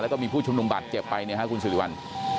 แล้วก็มีผู้ชุมนุมบาดเจ็บไปเนี่ยฮะคุณสิริวัล